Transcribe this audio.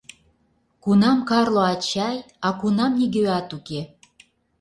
— Кунам Карло ачай, а кунам нигӧат уке.